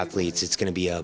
atlet yang menang titel menang